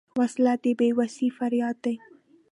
وسله د بېوسۍ فریاد دی